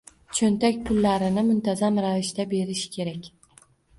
cho‘ntak pullarini muntazam ravishda berish kerak.